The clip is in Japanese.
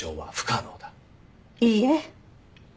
いいえ。